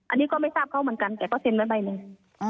อันนี้ก็ไม่ทราบเขาเหมือนกันแต่ก็เซ็นไว้ใบหนึ่ง